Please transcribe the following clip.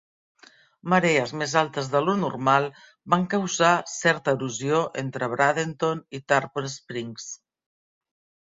Marees més altes de lo normal van causar certa erosió entre Bradenton i Tarpon Springs.